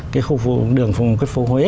cái khu đường phố huế